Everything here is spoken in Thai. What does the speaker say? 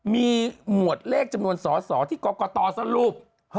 มีหมวดเลขจำนวนสอสอที่กรกตสรุป